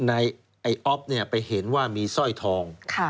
ไอ้อ๊อฟไปเห็นว่ามีสร้อยทอง